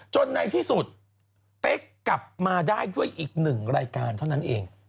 ในที่สุดเป๊กกลับมาได้ด้วยอีกหนึ่งรายการเท่านั้นเอง